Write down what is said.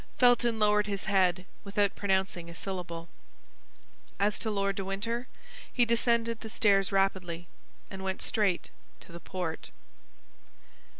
Felton lowered his head without pronouncing a syllable. As to Lord de Winter, he descended the stairs rapidly, and went straight to the port.